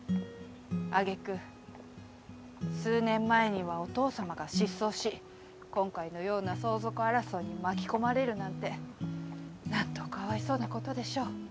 挙句数年前にはお父さまが失踪し今回のような相続争いに巻き込まれるなんてなんと可哀想なことでしょう。